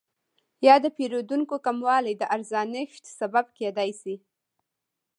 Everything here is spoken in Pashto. یا د پیرودونکو کموالی د ارزانښت سبب کیدای شي؟